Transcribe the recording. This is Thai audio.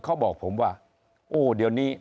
เขาบอกผมว่าโอ้เดี๋ยวนี้